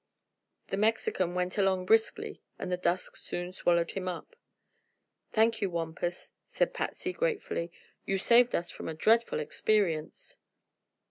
The Mexican "went along" briskly and the dusk soon swallowed him up. "Thank you, Wampus," said Patsy, gratefully; "you've saved us from a dreadful experience."